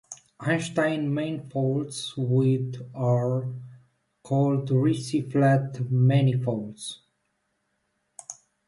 Einstein manifolds with are called Ricci-flat manifolds.